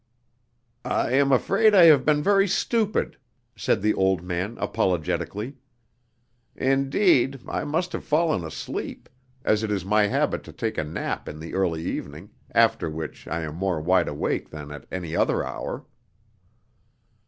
"I am afraid I have been very stupid," said the old man, apologetically; "indeed, I must have fallen asleep, as it is my habit to take a nap in the early evening, after which I am more wide awake than at any other hour."